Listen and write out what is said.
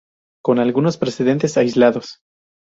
Con algunos precedentes aislados.